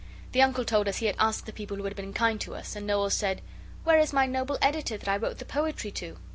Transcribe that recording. The Uncle told us he had asked the people who had been kind to us, and Noel said, 'Where is my noble editor that I wrote the poetry to?